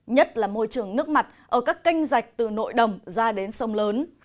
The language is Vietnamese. nhất là môi trường nước mặt ở các canh rạch từ nội đồng ra đến sông lớn